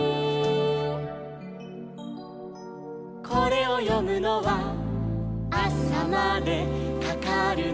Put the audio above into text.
「これをよむのはあさまでかかるね」